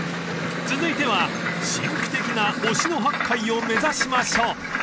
［続いては神秘的な忍野八海を目指しましょう］